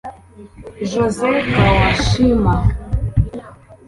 José Kawashima